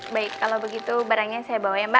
baik kalau begitu barangnya saya bawa ya mbak